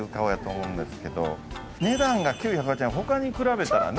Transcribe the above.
値段が９８０円他に比べたらね。